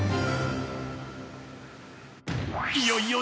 ［いよいよ］